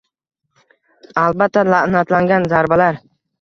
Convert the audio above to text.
Albatta la'natlangan zarbalar